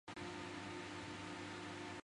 巴天酸模为蓼科酸模属下的一个种。